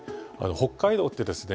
北海道ってですね